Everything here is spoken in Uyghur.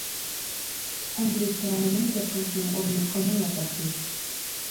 ئەمدىلىكتە يەنە گەپ قىلىشنىڭ ئورنى قالمايۋاتاتتى.